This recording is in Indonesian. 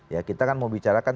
ya kita kan mau bicarakan